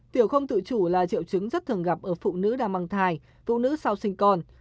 tiểu không tự chủ là triệu chứng rất thường gặp ở phụ nữ đang mang thai phụ nữ sau sinh con